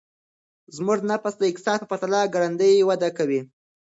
زموږ نفوس د اقتصاد په پرتله ګړندی وده کوي.